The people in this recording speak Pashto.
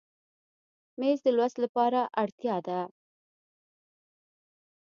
مېز د لوست لپاره اړتیا ده.